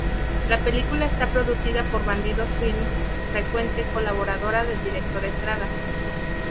La película está producida por Bandidos Films, frecuente colaboradora del director Estrada.